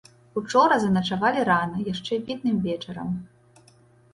Учора заначавалі рана, яшчэ відным вечарам.